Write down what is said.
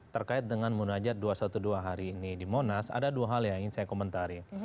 terkait dengan munajat dua ratus dua belas hari ini di monas ada dua hal yang ingin saya komentari